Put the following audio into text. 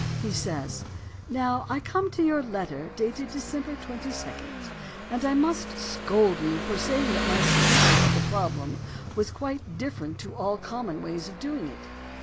He says: "Now I come to your letter dated December 22d and must scold you for saying that my solution of the problem was ' quite different to all common ways of doing it.'